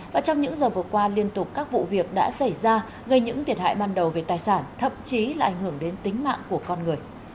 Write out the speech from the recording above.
và trong những giờ vừa qua liên tục các vụ việc đã xảy ra gây những thiệt hại ban đầu về tài sản thậm chí là ảnh hưởng đến tính mạng của con người